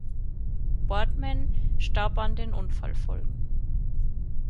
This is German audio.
Boardman starb an den Unfallfolgen.